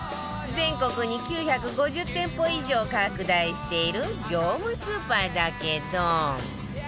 全国に９５０店舗以上拡大している業務スーパーだけど